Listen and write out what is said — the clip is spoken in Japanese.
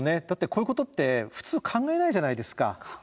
だってこういうことって普通考えないじゃないですか。